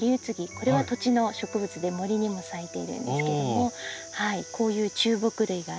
これは土地の植物で森にも咲いているんですけどもこういう中木類があって。